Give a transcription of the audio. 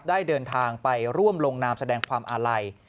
ได้เดินทางไปร่วมลงนามแสดงความอาลัย